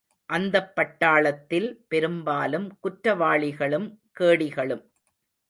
அந்தப்பட்டாளத்தில் பெரும்பாலும் குற்றவாளிகளும், கேடிகளும்.